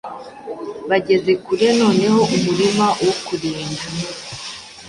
Bageze kure noneho umurima-wokurinda